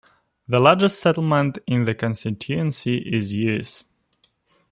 The largest settlement in the constituency is Uis.